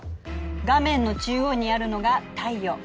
画面の中央にあるのが太陽。